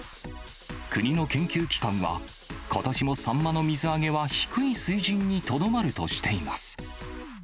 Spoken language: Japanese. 国の研究機関は、ことしもサンマの水揚げは低い水準にとどまるとしています。